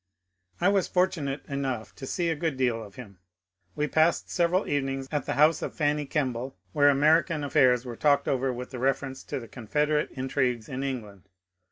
*' I was fortunate enough to see a good deal of him. We passed several evenings at the house of Fanny Kemble, where American affairs were talked over with reference to the Con federate intrigues in England.